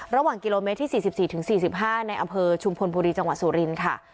ระหว่างกิโลเมตรที่๔๔๔๕ในอำเภอชุมพลบุรีจังหวัดสุรินทร์ค่ะ